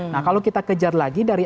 nah kalau kita kejar lagi dari